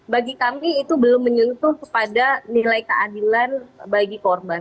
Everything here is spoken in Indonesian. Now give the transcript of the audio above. bagi kami itu belum menyentuh kepada nilai keadilan bagi korban